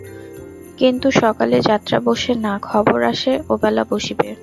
কিন্তু সকালে যাত্রা বসে না, খবর আসে ওবেলা বসিবে।